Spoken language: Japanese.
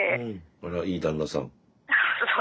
あらいい旦那さん。